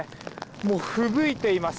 もう、ふぶいています。